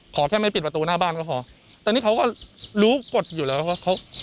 ขอแค่ไม่ปิดประตูหน้าบ้านก็พอแต่นี่เขาก็รู้กฎอยู่แล้วว่าเขา